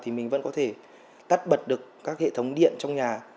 thì mình vẫn có thể tắt bật được các hệ thống điện trong nhà